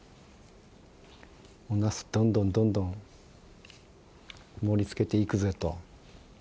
おなすどんどんどんどん盛りつけていくぜと。